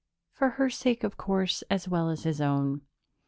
for her sake, of course, as well as his own.